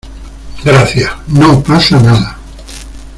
gracias. no pasa nada .